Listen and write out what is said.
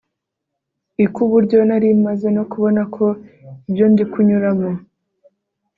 i kuburyo nari maze no kubona ko ibyo ndiknyuuramo